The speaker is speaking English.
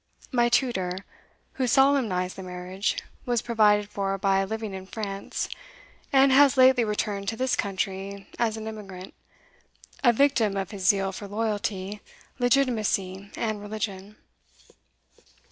My tutor, who solemnized the marriage, was provided for by a living in France, and has lately returned to this country as an emigrant, a victim of his zeal for loyalty, legitimacy, and religion."